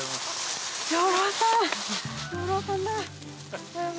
養老さん！